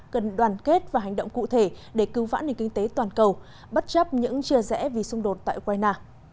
cần đoàn kết và hành động cụ thể để cứu vãn nền kinh tế toàn cầu bất chấp những chia rẽ vì xung đột tại guayna